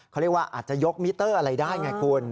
เขาเรียกว่าอาจจะยกมิเตอร์อะไรได้ไงคุณ